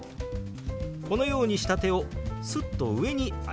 このようにした手をすっと上に上げます。